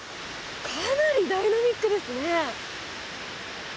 かなりダイナミックですね！